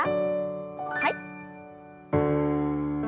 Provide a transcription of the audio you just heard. はい。